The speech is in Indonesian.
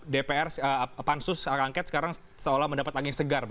dpr pansus akan angkat sekarang seolah mendapat angin segar